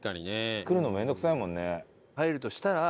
作るの面倒くさいもんね。